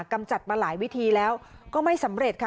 กำจัดมาหลายวิธีแล้วก็ไม่สำเร็จค่ะ